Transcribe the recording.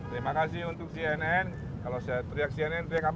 terima kasih untuk cnn kalau saya teriak cnn teriak apa satu ratus dua puluh tiga cnn jawab